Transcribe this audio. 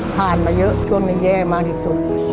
ผ่านมาเยอะช่วงมันแย่มากที่สุด